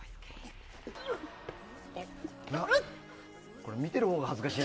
これ、見てるほうが恥ずかしい。